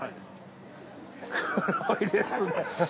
黒いですね。